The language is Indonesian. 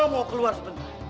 saya mau keluar sebentar